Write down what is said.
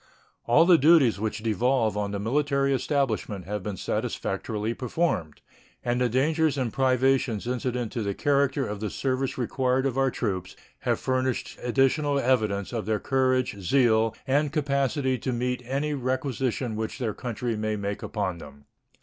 All the duties which devolve on the military establishment have been satisfactorily performed, and the dangers and privations incident to the character of the service required of our troops have furnished additional evidence of their courage, zeal, and capacity to meet any requisition which their country may make upon them.